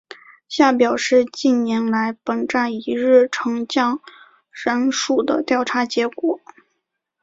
下表是近年来本站一日乘降人数的调查结果。